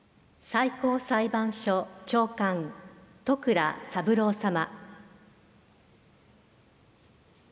最高裁判所長官、戸倉三郎様。